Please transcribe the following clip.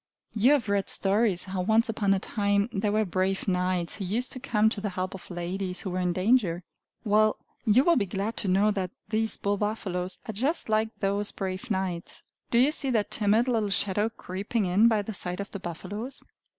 You have read stories, how once upon a time there were brave knights who used to come to the help of ladies who were in danger. Well, you will be glad to know that these bull buffaloes are just like those brave knights. Do you see that timid little shadow creeping in by the side of the buffaloes?